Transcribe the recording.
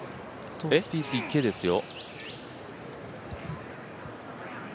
スピース、池ですよ。